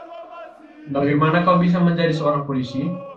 Bagaimana kau bisa menjadi seorang polisi?